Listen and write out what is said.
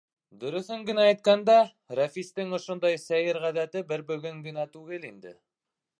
Дөрөҫөн генә әйткәндә, Рәфистең ошондай сәйер ғәҙәте бер бөгөн генә түгел инде.